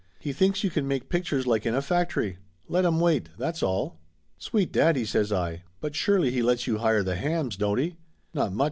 He thinks you can make pic tures like in a factory! Let him wait, that's all!" "Sweet daddy!" says I. "But surely he lets you hire the hams, don't he?" "Not much!"